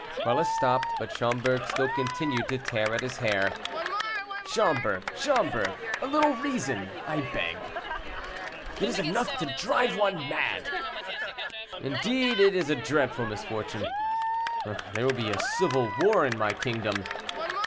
Quelus stopped, but Schomberg still continued to tear at his hair. "Schomberg, Schomberg, a little reason, I beg." "It is enough to drive one mad!" "Indeed, it is a dreadful misfortune; there will be a civil war in my kingdom.